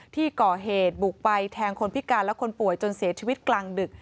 ที่ก่อเหตุบุกไปแทงคนพิการและคนป่วยจนเสียชีวิตกลางดึก